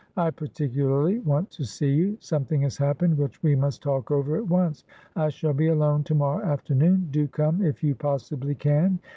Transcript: I particularly want to see you. Something has happened which we must talk over at once. I shall be alone tomorrow afternoon. Do come if you possibly can.